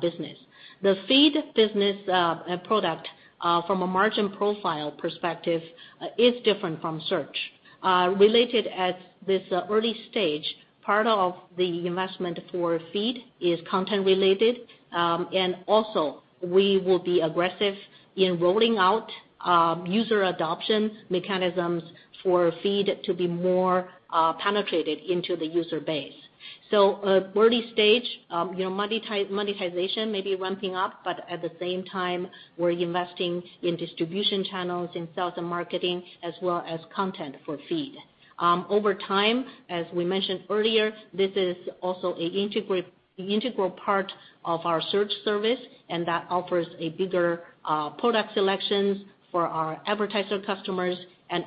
business. The feed business product from a margin profile perspective is different from search. Related at this early stage, part of the investment for feed is content related. Also we will be aggressive in rolling out user adoption mechanisms for feed to be more penetrated into the user base. Early stage monetization may be ramping up, but at the same time, we're investing in distribution channels in sales and marketing as well as content for feed. Over time, as we mentioned earlier, this is also an integral part of our search service, that offers a bigger product selections for our advertiser customers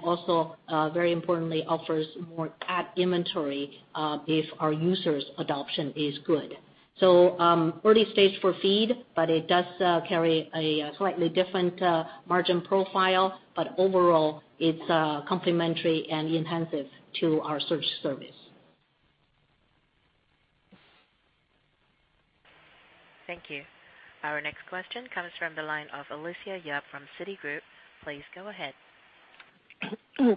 also, very importantly, offers more ad inventory if our users adoption is good. Early stage for feed, but it does carry a slightly different margin profile. Overall, it's complementary and enhancing to our search service. Thank you. Our next question comes from the line of Alicia Yap from Citigroup. Please go ahead.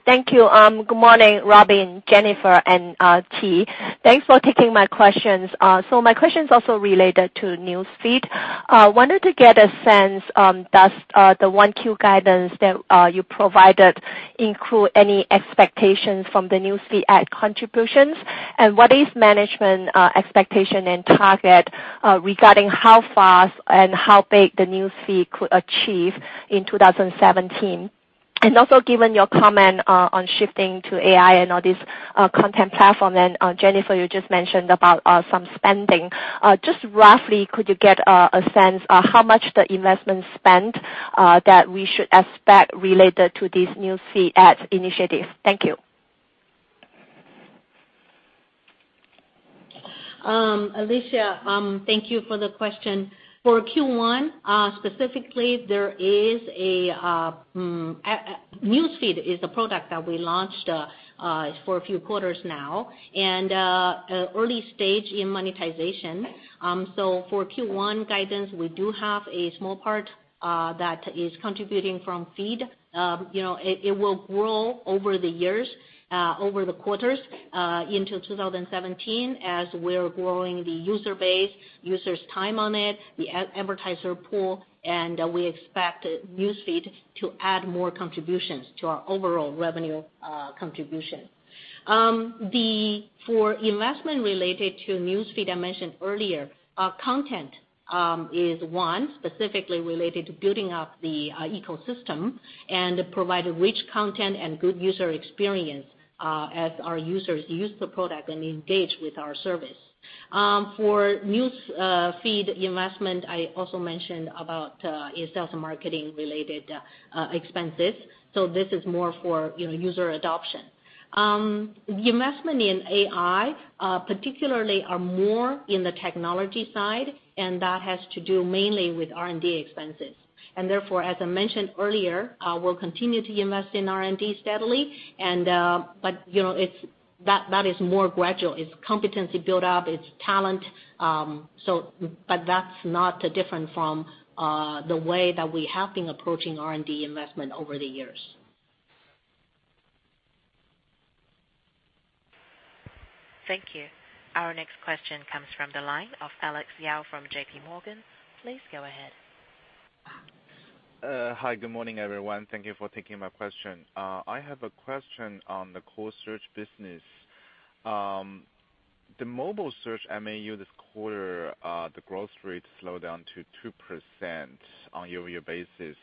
Thank you. Good morning, Robin, Jennifer, and Qi. Thanks for taking my questions. My question is also related to News Feed. Wanted to get a sense, does the 1Q guidance that you provided include any expectations from the News Feed ad contributions? What is management expectation and target regarding how fast and how big the News Feed could achieve in 2017? Also given your comment on shifting to AI and all this content platform, and Jennifer, you just mentioned about some spending. Just roughly could you get a sense how much the investment spent that we should expect related to this News Feed ads initiative? Thank you. Alicia, thank you for the question. For Q1, specifically, News Feed is the product that we launched for a few quarters now, and early stage in monetization. For Q1 guidance, we do have a small part that is contributing from Feed. It will grow over the years, over the quarters, into 2017 as we're growing the user base, users' time on it, the advertiser pool, and we expect News Feed to add more contributions to our overall revenue contribution. For investment related to News Feed, I mentioned earlier, content is one specifically related to building up the ecosystem and provide a rich content and good user experience as our users use the product and engage with our service. For News Feed investment, I also mentioned about sales and marketing related expenses. This is more for user adoption. Investment in AI, particularly are more in the technology side, and that has to do mainly with R&D expenses. Therefore, as I mentioned earlier, we'll continue to invest in R&D steadily. That is more gradual. It's competency build-up, it's talent. That's not different from the way that we have been approaching R&D investment over the years. Thank you. Our next question comes from the line of Alex Yao from JP Morgan. Please go ahead. Hi, good morning, everyone. Thank you for taking my question. I have a question on the core search business. The mobile search MAU this quarter, the growth rate slowed down to 2% on year-over-year basis.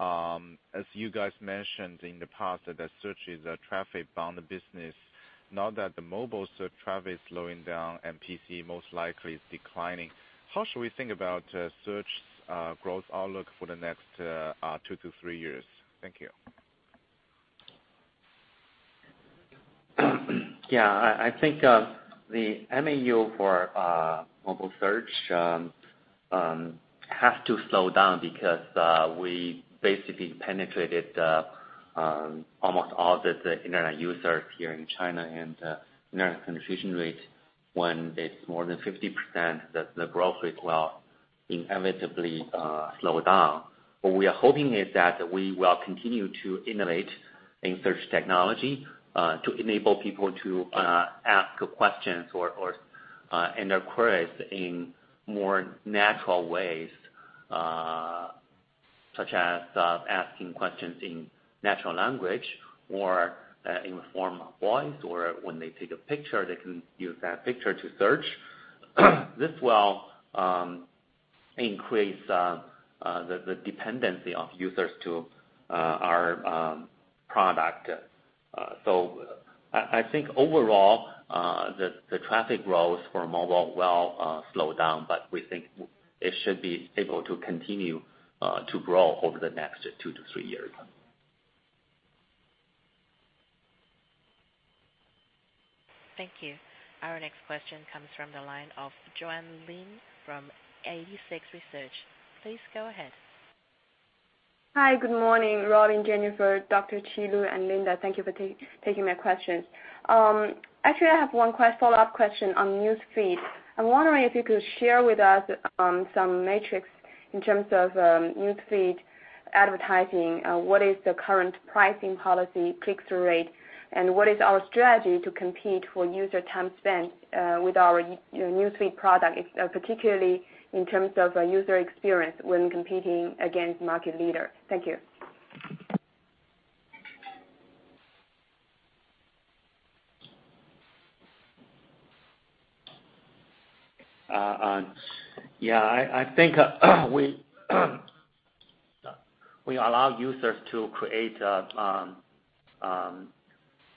As you guys mentioned in the past, that search is a traffic-bound business. Now that the mobile search traffic is slowing down and PC most likely is declining, how should we think about search growth outlook for the next two to three years? Thank you. I think the MAU for mobile search has to slow down because we basically penetrated almost all the internet users here in China, and internet penetration rate, when it's more than 50%, the growth rate will inevitably slow down. What we are hoping is that we will continue to innovate in search technology to enable people to ask questions and their queries in more natural ways. Such as asking questions in natural language or in the form of voice, or when they take a picture, they can use that picture to search. This will increase the dependency of users to our product I think overall, the traffic growth for mobile will slow down, but we think it should be able to continue to grow over the next two to three years. Thank you. Our next question comes from the line of Juan Lin from 86Research. Please go ahead. Hi. Good morning, Robin, Jennifer, Dr. Qi Lu, and Linda. Thank you for taking my questions. Actually, I have one follow-up question on News Feed. I'm wondering if you could share with us some metrics in terms of News Feed advertising. What is the current pricing policy click-through rate, and what is our strategy to compete for user time spent with our News Feed product, particularly in terms of user experience when competing against market leader? Thank you. I think we allow users to create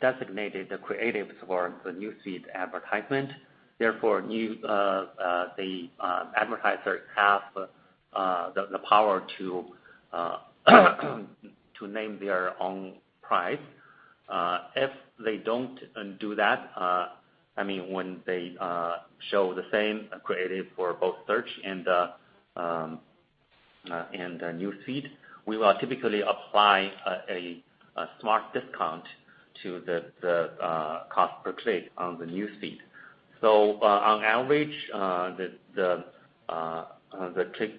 designated creatives for the News Feed advertisement, therefore, the advertisers have the power to name their own price. If they don't do that, when they show the same creative for both Search and News Feed, we will typically apply a smart discount to the cost per click on the News Feed. On average, the click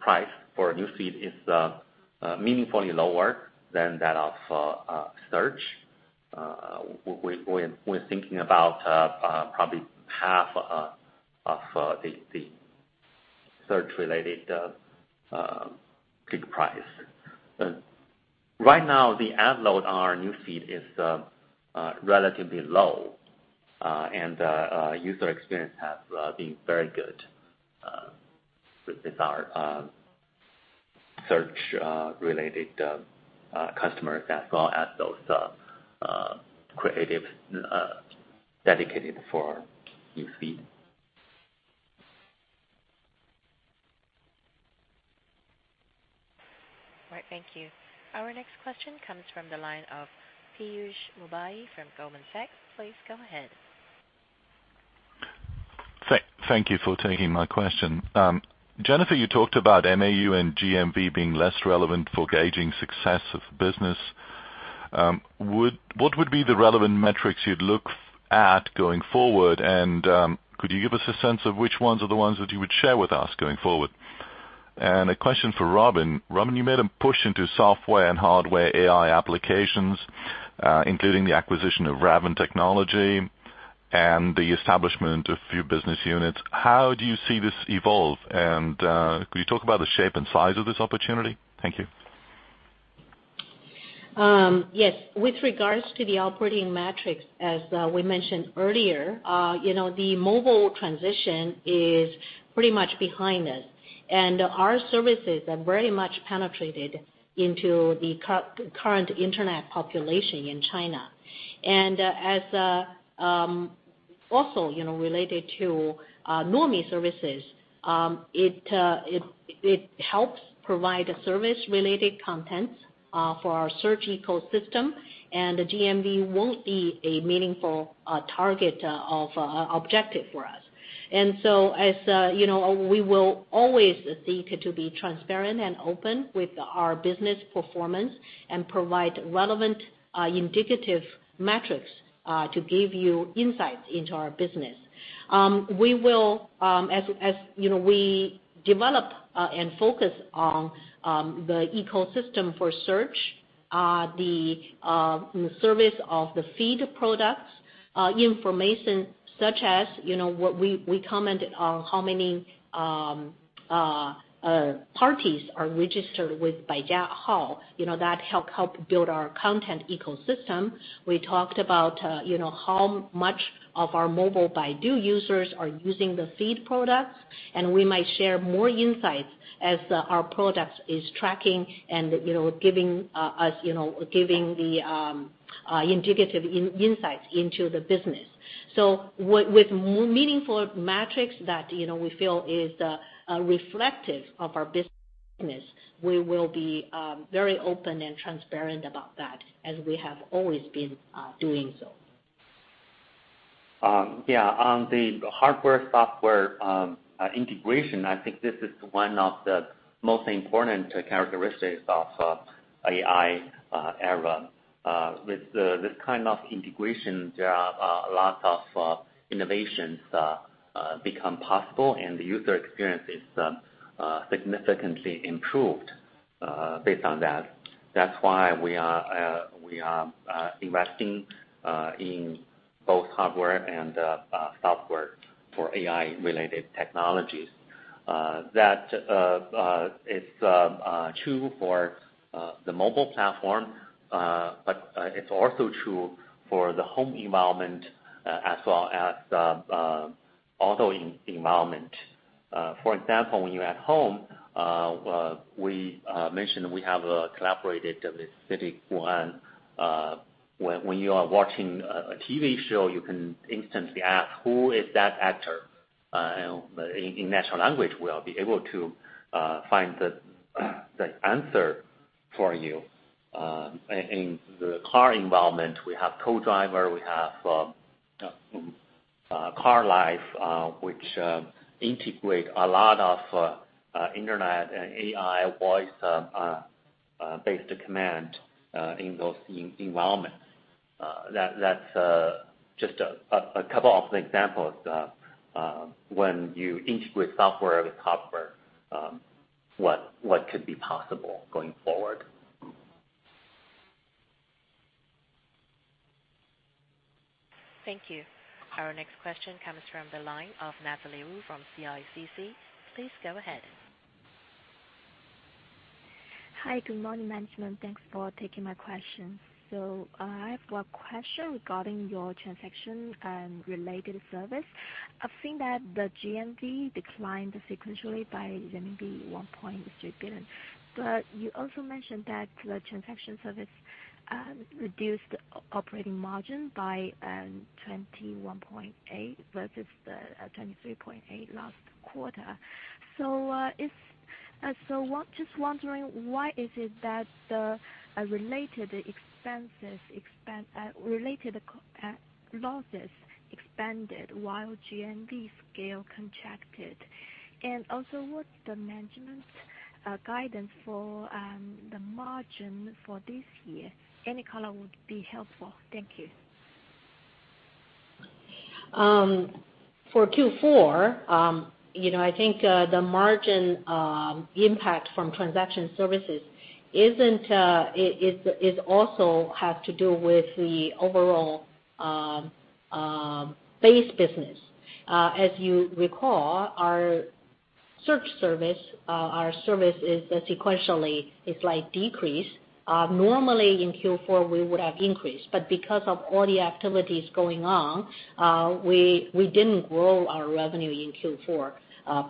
price for News Feed is meaningfully lower than that of Search. We're thinking about probably half of the Search-related click price. Right now, the ad load on our News Feed is relatively low, and user experience has been very good with our Search-related customers, as well as those creatives dedicated for News Feed. All right, thank you. Our next question comes from the line of Piyush Mubayi from Goldman Sachs. Please go ahead. Thank you for taking my question. Jennifer, you talked about MAU and GMV being less relevant for gauging success of business. What would be the relevant metrics you'd look at going forward, and could you give us a sense of which ones are the ones that you would share with us going forward? A question for Robin. Robin, you made a push into software and hardware AI applications, including the acquisition of Raven Tech and the establishment of few business units. How do you see this evolve, and could you talk about the shape and size of this opportunity? Thank you. Yes. With regards to the operating metrics, as we mentioned earlier, the mobile transition is pretty much behind us and our services have very much penetrated into the current Internet population in China. Also related to Nuomi services, it helps provide service-related content for our Search ecosystem and the GMV won't be a meaningful target of objective for us. We will always seek to be transparent and open with our business performance and provide relevant indicative metrics to give you insights into our business. As we develop and focus on the ecosystem for Search, the service of the feed products, information such as what we commented on how many parties are registered with Baijiahao, that help build our content ecosystem. We talked about how much of our mobile Baidu users are using the feed products, and we might share more insights as our product is tracking and giving the indicative insights into the business. With meaningful metrics that we feel is reflective of our business, we will be very open and transparent about that, as we have always been doing so. Yeah. On the hardware-software integration, I think this is one of the most important characteristics of AI era. With this kind of integration, there are a lot of innovations become possible and the user experience is significantly improved based on that. That's why we are investing in both hardware and software for AI-related technologies. That is true for the mobile platform, but it's also true for the home environment as well as the auto environment. For example, when you're at home, we mentioned we have collaborated with CITIC Guoan. When you are watching a TV show, you can instantly ask, "Who is that actor?" In natural language, we'll be able to find the answer for you. In the car environment, we have CoDriver, we have CarLife, which integrate a lot of internet and AI, voice-based command in those environments. That's just a couple of the examples of when you integrate software with hardware, what could be possible going forward. Thank you. Our next question comes from the line of Natalie Wu from CICC. Please go ahead. Hi. Good morning, management. Thanks for taking my questions. I have a question regarding your transaction and related service. I've seen that the GMV declined sequentially by renminbi 1.6 billion. You also mentioned that the transaction service reduced operating margin by 21.8% versus the 23.8% last quarter. Just wondering, why is it that the related losses expanded while GMV scale contracted? What's the management guidance for the margin for this year? Any color would be helpful. Thank you. For Q4, I think the margin impact from transaction services also has to do with the overall base business. As you recall, our search service sequentially is decrease. Normally in Q4, we would have increased, but because of all the activities going on, we didn't grow our revenue in Q4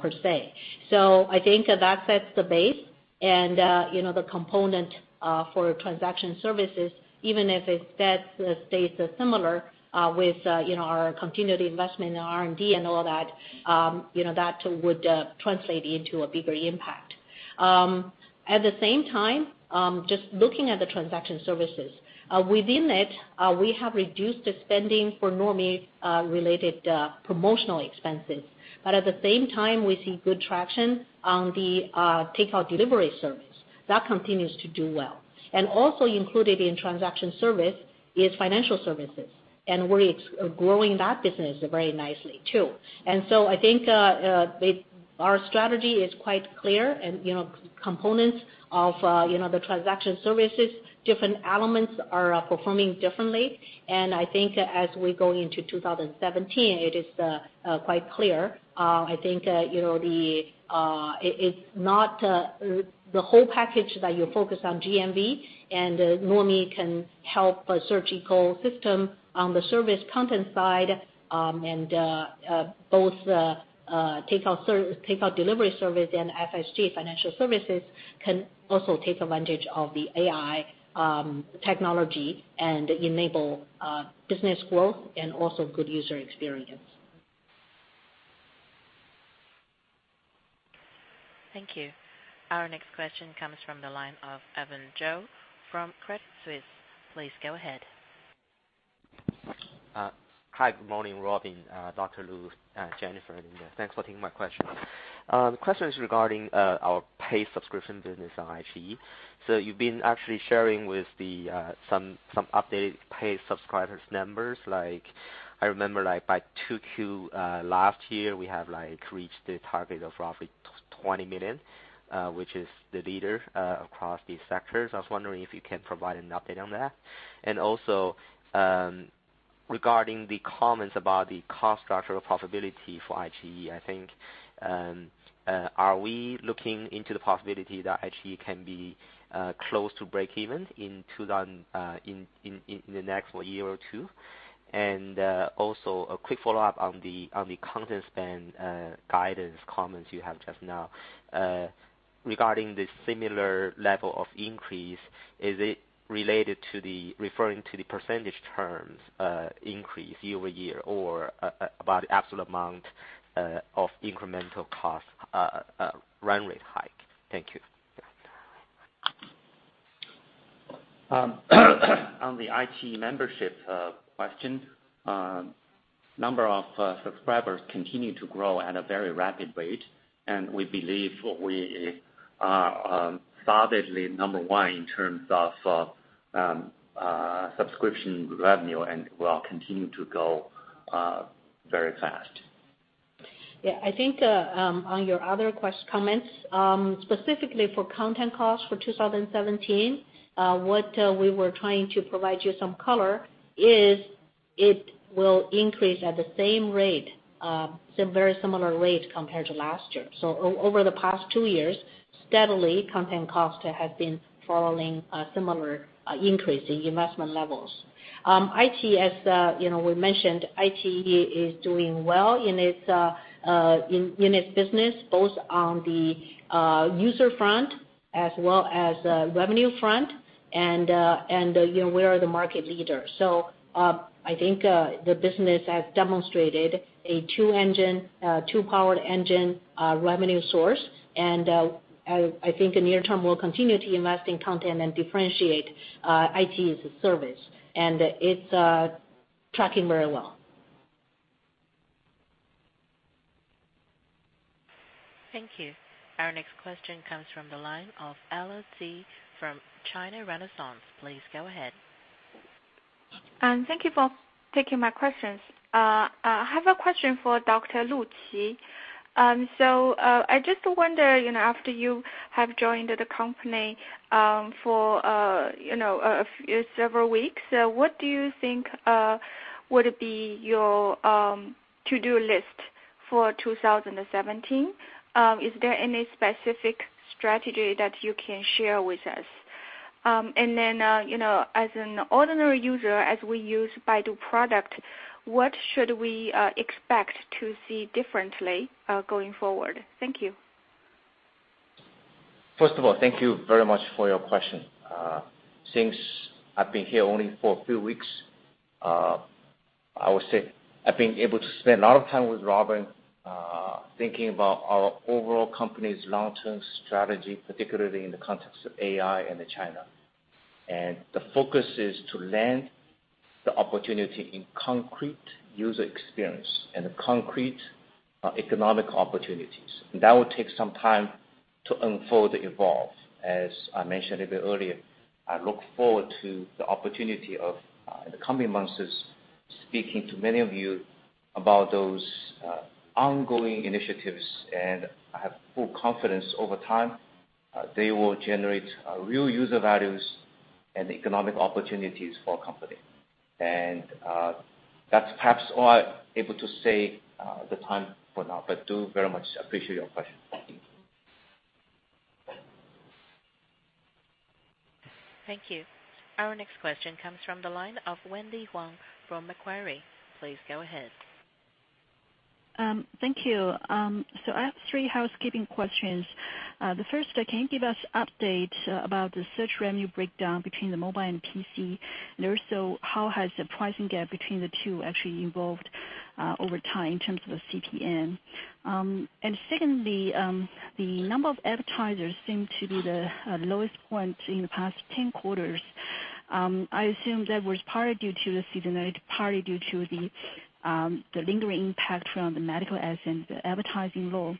per se. I think that sets the base and the component for transaction services, even if it stays similar with our continued investment in R&D and all that would translate into a bigger impact. At the same time, just looking at the transaction services. Within it, we have reduced the spending for normally related promotional expenses, but at the same time, we see good traction on the takeout delivery service. That continues to do well. Included in transaction service is financial services, and we're growing that business very nicely, too. I think our strategy is quite clear and components of the transaction services, different elements are performing differently. I think as we go into 2017, it is quite clear. I think it's not the whole package that you focus on GMV and normally can help a search ecosystem on the service content side, and both the takeout delivery service and FSG financial services can also take advantage of the AI technology and enable business growth and also good user experience. Thank you. Our next question comes from the line of Evan Zhou from Credit Suisse. Please go ahead. Hi, good morning, Robin, Dr. Lu, Jennifer, Linda. Thanks for taking my question. The question is regarding our paid subscription business on iQIYI. You've been actually sharing with some updated paid subscribers numbers. I remember by 2Q last year, we have reached the target of roughly 20 million, which is the leader across the sectors. I was wondering if you can provide an update on that. Regarding the comments about the cost structure profitability for iQIYI, are we looking into the possibility that iQIYI can be close to breakeven in the next year or two? A quick follow-up on the content spend guidance comments you have just now. Regarding the similar level of increase, is it referring to the percentage terms increase year-over-year, or about absolute amount of incremental cost run rate hike? Thank you. On the iQIYI membership question, number of subscribers continue to grow at a very rapid rate, and we believe we are solidly number one in terms of subscription revenue, and we are continuing to grow very fast. Yeah. I think on your other comments, specifically for content costs for 2017, what we were trying to provide you some color is it will increase at the same rate, very similar rate compared to last year. Over the past two years, steadily, content cost has been following a similar increase in investment levels. We mentioned iQIYI is doing well in its business, both on the user front as well as the revenue front, and we are the market leader. I think the business has demonstrated a two powered engine revenue source. I think in the near term, we'll continue to invest in content and differentiate iQIYI as a service. It's tracking very well. Thank you. Our next question comes from the line of Ella Ji from China Renaissance. Please go ahead. Thank you for taking my questions. I have a question for Dr. Qi Lu. I just wonder, after you have joined the company for several weeks, what do you think would be your to-do list for 2017? Is there any specific strategy that you can share with us? As an ordinary user, as we use Baidu product, what should we expect to see differently going forward? Thank you. First of all, thank you very much for your question. Since I've been here only for a few weeks, I would say I've been able to spend a lot of time with Robin, thinking about our overall company's long-term strategy, particularly in the context of AI and China. The focus is to land the opportunity in concrete user experience and concrete economic opportunities. That will take some time to unfold and evolve. As I mentioned a bit earlier, I look forward to the opportunity of, in the coming months, speaking to many of you about those ongoing initiatives. I have full confidence over time that they will generate real user values and economic opportunities for our company. That's perhaps all I'm able to say at the time for now, but do very much appreciate your question. Thank you. Thank you. Our next question comes from the line of Wendy Huang from Macquarie. Please go ahead. Thank you. I have 3 housekeeping questions. The first, can you give us an update about the search revenue breakdown between the mobile and PC? How has the pricing gap between the two actually evolved over time in terms of the CPM? Secondly, the number of advertisers seem to be the lowest point in the past 10 quarters. I assume that was partly due to the seasonality, partly due to the lingering impact from the medical ads and the advertising law.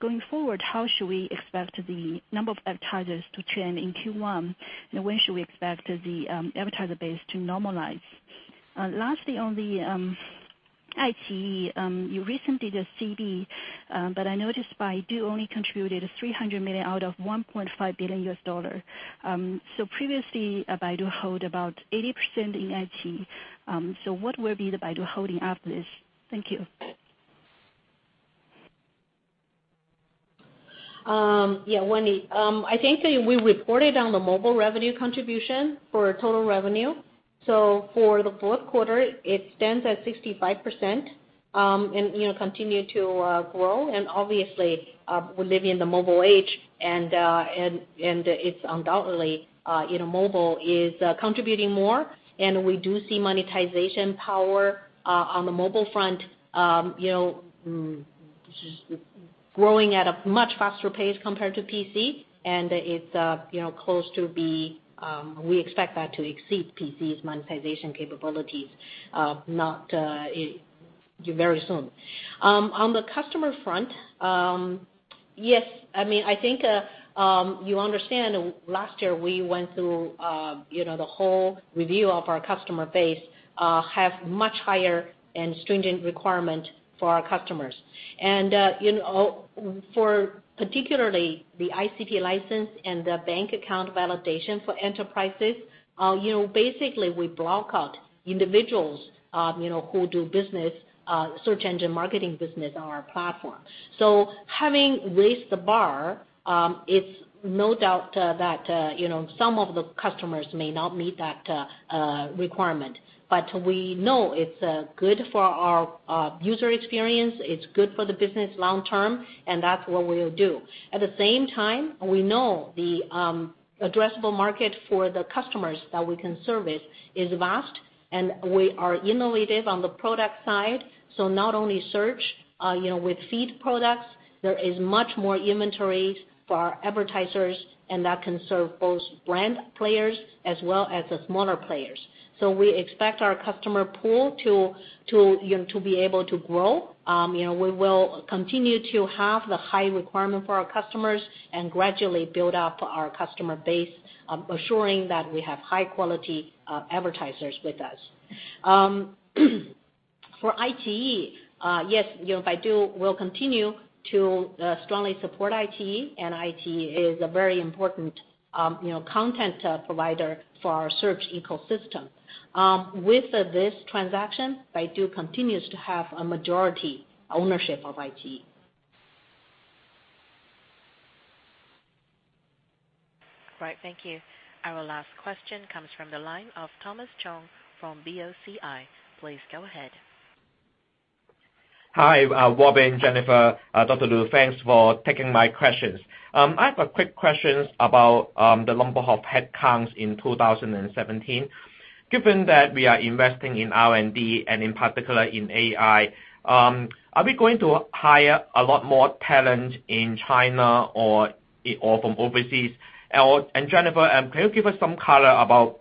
Going forward, how should we expect the number of advertisers to trend in Q1? When should we expect the advertiser base to normalize? Lastly, on the iQIYI, you recently did a CB, but I noticed Baidu only contributed $300 million out of $1.5 billion. Previously, Baidu held about 80% in iQIYI. What will be the Baidu holding after this? Thank you. Yeah, Wendy. I think that we reported on the mobile revenue contribution for total revenue. For the fourth quarter, it stands at 65% and continue to grow. Obviously, we live in the mobile age and it's undoubtedly mobile is contributing more, and we do see monetization power on the mobile front growing at a much faster pace compared to PC, and we expect that to exceed PC's monetization capabilities very soon. On the customer front, yes, I think you understand last year we went through the whole review of our customer base, have much higher and stringent requirement for our customers. For particularly the ICP license and the bank account validation for enterprises, basically we block out individuals who do search engine marketing business on our platform. Having raised the bar, it's no doubt that some of the customers may not meet that requirement. We know it's good for our user experience, it's good for the business long term, and that's what we'll do. At the same time, we know the addressable market for the customers that we can service is vast, and we are innovative on the product side. Not only search, with feed products, there is much more inventory for our advertisers, and that can serve both brand players as well as the smaller players. We expect our customer pool to be able to grow. We will continue to have the high requirement for our customers and gradually build up our customer base, assuring that we have high-quality advertisers with us. For iQIYI, yes, Baidu will continue to strongly support iQIYI, and iQIYI is a very important content provider for our search ecosystem. With this transaction, Baidu continues to have a majority ownership of iQIYI. Right. Thank you. Our last question comes from the line of Thomas Chong from BOCI. Please go ahead. Hi, Robin, Jennifer, Dr. Lu. Thanks for taking my questions. I have a quick question about the number of headcounts in 2017. Given that we are investing in R&D and in particular in AI, are we going to hire a lot more talent in China or from overseas? Jennifer, can you give us some color about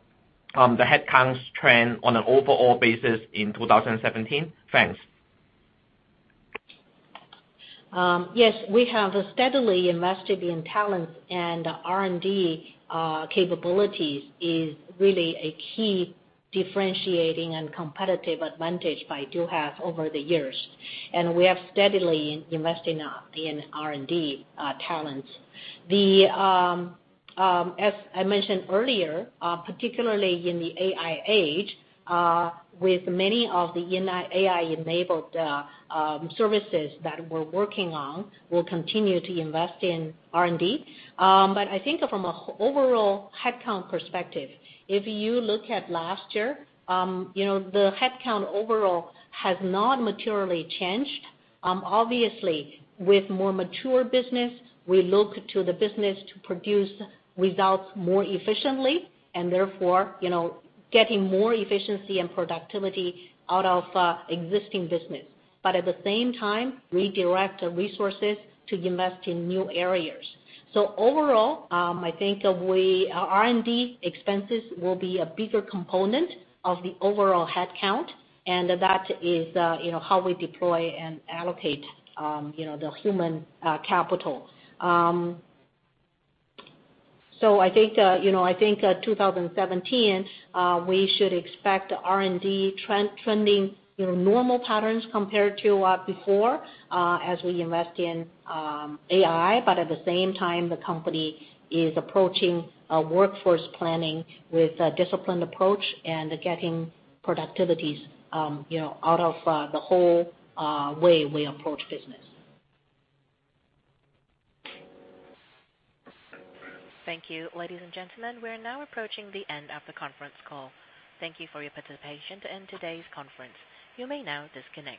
the headcounts trend on an overall basis in 2017? Thanks. Yes. We have steadily invested in talent, R&D capabilities is really a key differentiating and competitive advantage Baidu have over the years. We have steadily invested in R&D talent. As I mentioned earlier, particularly in the AI age, with many of the AI-enabled services that we're working on, we'll continue to invest in R&D. I think from an overall headcount perspective, if you look at last year, the headcount overall has not materially changed. Obviously, with more mature business, we look to the business to produce results more efficiently and therefore, getting more efficiency and productivity out of existing business. At the same time, redirect resources to invest in new areas. Overall, I think our R&D expenses will be a bigger component of the overall headcount, and that is how we deploy and allocate the human capital. I think 2017, we should expect R&D trending normal patterns compared to before, as we invest in AI. At the same time, the company is approaching workforce planning with a disciplined approach and getting productivities out of the whole way we approach business. Thank you. Ladies and gentlemen, we're now approaching the end of the conference call. Thank you for your participation in today's conference. You may now disconnect.